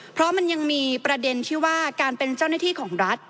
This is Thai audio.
เพราะมันยังมีประเด็นที่ว่าการเป็นเจ้าหน้าที่ของรัฐ